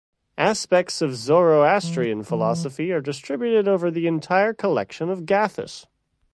Aspects of Zoroastrian philosophy are distributed over the entire collection of Gathas.